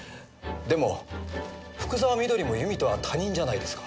でも福沢美登里も由美とは他人じゃないですか。